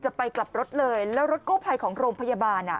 ไปกลับรถเลยแล้วรถกู้ภัยของโรงพยาบาลอ่ะ